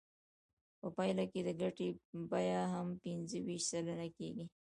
په پایله کې د ګټې بیه هم پنځه ویشت سلنه کېږي